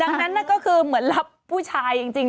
ดังนั้นก็คือเหมือนรับผู้ชายจริง